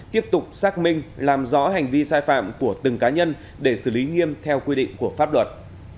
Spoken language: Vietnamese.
tiếp tục xác minh làm rõ hành vi sai phạm của từng cá nhân để xử lý nghiêm theo quy định của pháp luật